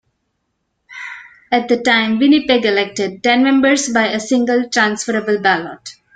At the time, Winnipeg elected ten members by a single transferable ballot.